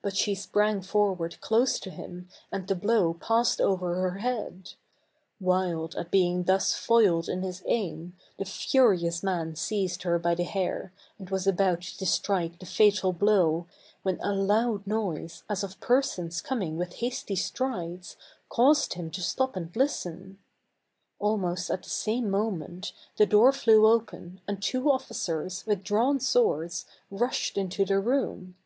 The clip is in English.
But she sprang forward close to him, and the blow passed over her head. Wild at being thus foiled in his aim, the furious man seized her by the hair, and was about to strike the fatal blow, when 278 BLUE BEARD. 27 Si DEATH OF BLUE BEARD. BLUE BEARD. a loud noise, as of persons coming with hasty strides, caused him to stop and listen. Almost at the same moment, the door flew open, and two officers, with drawn swords, rushed into the room.